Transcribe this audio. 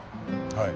はい。